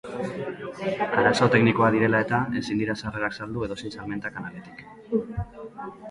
Arazo teknikoak direla eta, ezin dira sarrerak saldu edozein salmenta kanaletik.